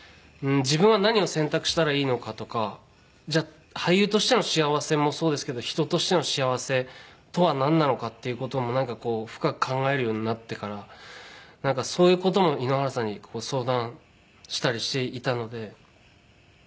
自分は何を選択したらいいのかとかじゃあ俳優としての幸せもそうですけど人としての幸せとはなんなのかっていう事もなんかこう深く考えるようになってからそういう事も井ノ原さんに相談したりしていたので。